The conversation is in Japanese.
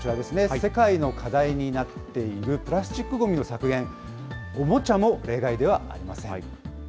世界の課題になっているプラスチックごみの削減、おもちゃも例外ではありません。